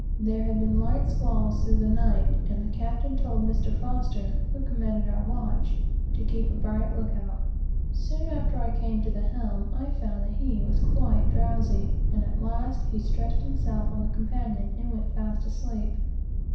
There had been light squalls through the night, and the captain told Mr. F , who commanded our watch, to keep a bright look out. Soon after I came to the helm, I found that he was quite drowsy, and at last he stretched himself on the companion and went fast asleep.